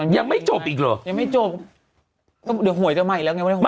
ยังไม่จบอีกเหรอยังไม่จบจะหวยเจ้าใหม่อีกแล้วไงว่าได้ห่วง